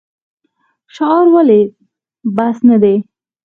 شعار ولې بس نه دی؟